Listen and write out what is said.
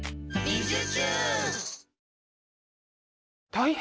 大変！